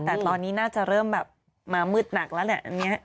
แต่ตอนนี้น่าจะเริ่มแบบมามืดหนักแล้วแหละ